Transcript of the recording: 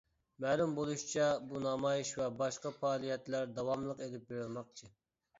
مەلۇم بولۇشىچە، بۇ نامايىش ۋە باشقا پائالىيەتلەر داۋاملىق ئېلىپ بېرىلماقچى.